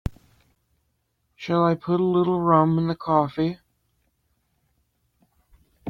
Shall I put a little rum in the coffee?